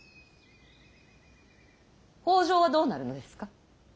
北条はどうなるのですか。